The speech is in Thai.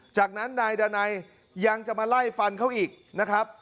จากนั้นนายดานัยยังจะมาไล่ฟันเขาอีกนะครับ